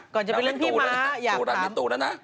ก่อนจะไปเรื่องพี่ม้าอยากถามนางไปตรูแล้วนะ